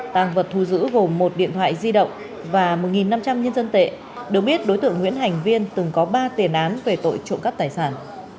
tăng vật thu giữ gồm một điện thoại di động và một năm trăm linh nhân dân tệ được biết đối tượng nguyễn hành viên từng có ba tiền án về tội trộm cắp tài sản